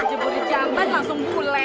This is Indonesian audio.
keceburi jambat langsung bule